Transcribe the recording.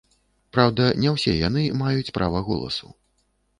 Праўда, не ўсе яны маюць права голасу.